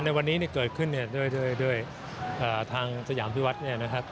ในวันนี้เกิดขึ้นด้วยทางสยามพิวัฒน์